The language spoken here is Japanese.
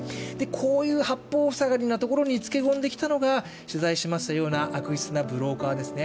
こういう八方塞がりなところにつけ込んできたのが、取材しましたような悪質なブローカーですね。